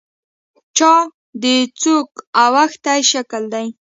چا د څوک اوښتي شکل دی.